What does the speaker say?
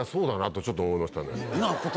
とちょっと思いましたね。